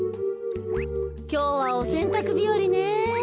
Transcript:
きょうはおせんたくびよりね。